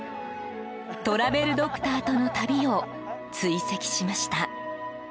トラベルドクターとの旅を追跡しました。